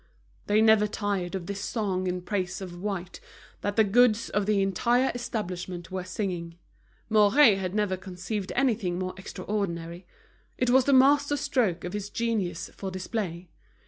They never tired of this song in praise of white that the goods of the entire establishment were singing. Mouret had never conceived anything more extraordinary; it was the master stroke of his genius for display.